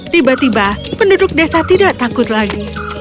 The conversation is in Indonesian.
tiba tiba penduduk desa tidak takut lagi